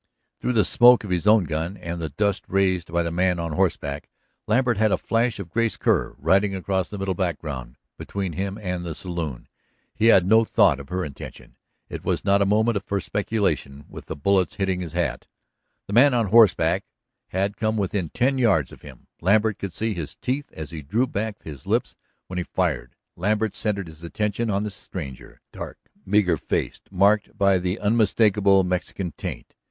Through the smoke of his own gun, and the dust raised by the man on horseback, Lambert had a flash of Grace Kerr riding across the middle background between him and the saloon. He had no thought of her intention. It was not a moment for speculation with the bullets hitting his hat. The man on horseback had come within ten yards of him. Lambert could see his teeth as he drew back his lips when he fired. Lambert centered his attention on this stranger, dark, meager faced, marked by the unmistakable Mexican taint.